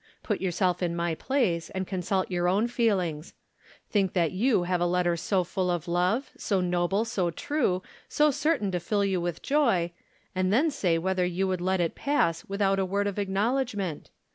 Put yourself in my place, and consult your own feelings. Think that you have a letter so full of love, so noble, so true, so certain to fill you with joy, and then say whether you would let it pass without a word of acknowledgment.